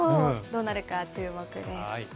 どうなるか、注目です。